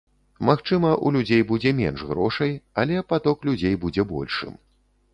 Магчыма, у людзей будзе менш грошай, але паток людзей будзе большым.